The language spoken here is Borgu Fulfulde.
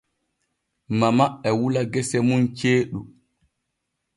Mama e wula gese mun ceeɗu.